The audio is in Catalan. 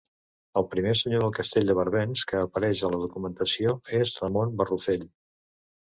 El primer senyor del castell de Barbens que apareix a la documentació és Ramon Barrufell.